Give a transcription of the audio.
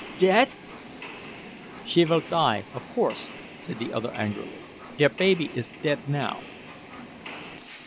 "Dead!" "She vill die, of course," said the other angrily. "Der baby is dead now."